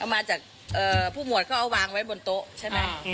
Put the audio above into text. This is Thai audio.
เอามายจากผู้หมวดเขาเอาวางไว้บนโต๊ะ